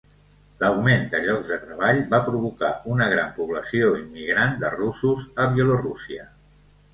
L'augment de llocs de treball va provocar una gran població immigrant de russos a Bielorússia.